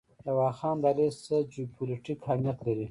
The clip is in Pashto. د واخان دهلیز څه جیوپولیټیک اهمیت لري؟